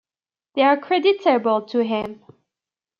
They are creditable to him.